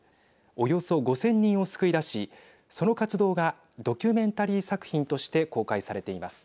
およそ５０００人を救い出しその活動がドキュメンタリー作品として公開されています。